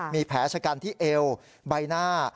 มีแผลชะกันที่เอวใบหน้า